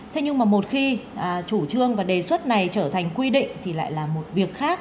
thế nhưng mà một khi chủ trương và đề xuất này trở thành quy định thì lại là một việc khác